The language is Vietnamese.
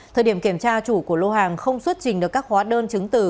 thời điểm kiểm tra chủ của lô hàng không xuất trình được các hóa đơn chứng từ